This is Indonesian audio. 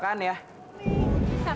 bang aku nanti mau conservative